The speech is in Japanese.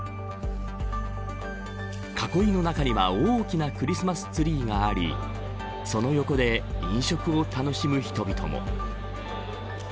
囲いの中には大きなクリスマスツリーがありその横で飲食を楽しむ人々も。